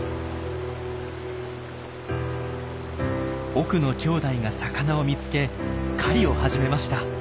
奥のきょうだいが魚を見つけ狩りを始めました。